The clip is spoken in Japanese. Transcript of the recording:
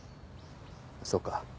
そうか。